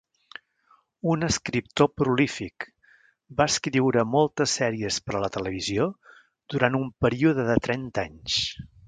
Un escriptor prolífic, va escriure moltes sèries per a la televisió durant un període de trenta anys.